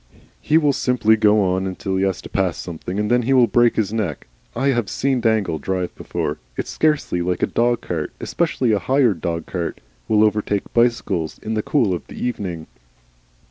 "He will simply go on until he has to pass something, and then he will break his neck. I have seen Dangle drive before. It's scarcely likely a dog cart, especially a hired dog cart, will overtake bicycles in the cool of the evening.